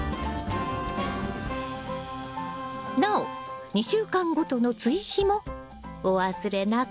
なお２週間ごとの追肥もお忘れなく。